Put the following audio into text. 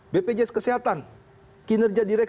bpjs kesehatan kinerja direk